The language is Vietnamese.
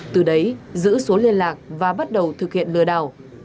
từ đấy giữ số liên lạc và bắt đầu thực hiện lừa đảo